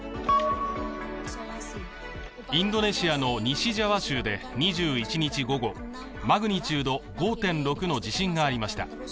インドネシアの西ジャワ州で２１日午後、マグニチュード５．６の地震がありました。